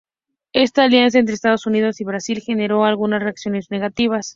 Esta alianza entre Estados Unidos y Brasil generó algunas reacciones negativas.